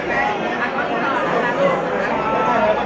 เล้ยงอาวุธคลับกำไลน์